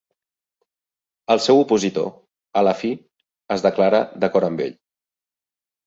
El seu opositor, a la fi, es declarà d'acord amb ell.